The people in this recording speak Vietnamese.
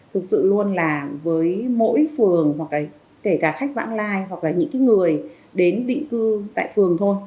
thực sự luôn là với mỗi phường hoặc là kể cả khách vãng lai hoặc là những người đến định cư tại phường thôi